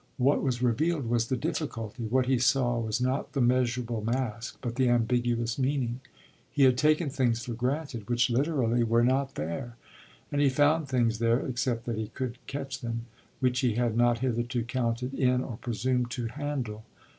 What was revealed was the difficulty what he saw was not the measurable mask but the ambiguous meaning. He had taken things for granted which literally were not there, and he found things there except that he couldn't catch them which he had not hitherto counted in or presumed to handle.